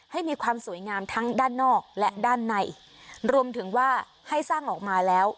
ให้มีความสวยงามทั้งด้านนอกและด้านในรวมถึงว่าให้สร้างออกมาแล้ว